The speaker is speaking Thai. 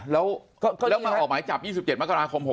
แล้วมาออกหมายจับ๒๗มกราคม๖๖